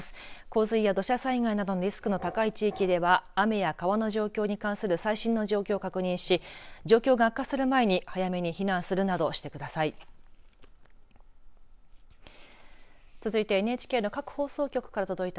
洪水や土砂災害などのリスクが高い地域では雨や川の状況に関する最新の状況を確認し状況が悪化する前に早めに避難するなどしてください。